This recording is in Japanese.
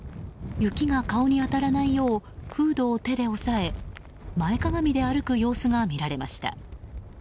雪が顔に当たらないようフードを手で押さえ前かがみで歩く様子が見られました。